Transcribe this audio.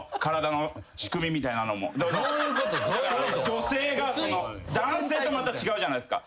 女性が男性とまた違うじゃないっすか。